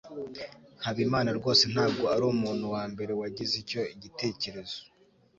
habimana rwose ntabwo arumuntu wambere wagize icyo gitekerezo